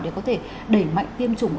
để có thể đẩy mạnh tiêm chủng